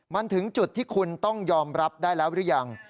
มันถึงจุดที่คุณต้องยอมรับได้แล้วหรือยัง